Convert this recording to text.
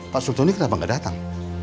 pak sultoni kenapa gak datang